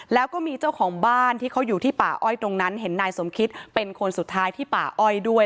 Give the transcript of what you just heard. แล้วก็มีเจ้าของบ้านที่เขาอยู่ที่ป่าอ้อยตรงนั้นเห็นนายสมคิตเป็นคนสุดท้ายที่ป่าอ้อยด้วย